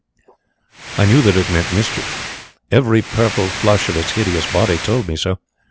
"I knew that it meant mischief. Every purple flush of its hideous body told me so.